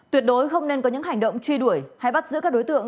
tuyệt đối không nên có những hành động truy đuổi hay bắt giữ các đối tượng